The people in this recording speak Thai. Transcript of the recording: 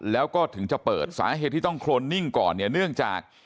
แล้วก็ถึงจะเปิดสาเหตุที่ต้องโครนนิ่งก่อนเนี่ยเนื่องจาก